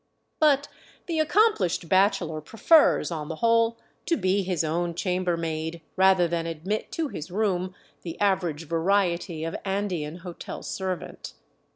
But the accomplished bachelor prefers, on the whole, to be his own chambermaid, rather than admit to his room the average variety of Andean hotel servant.